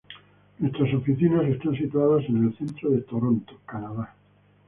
Nuestras oficinas están situadas en el centro de Toronto, Canadá.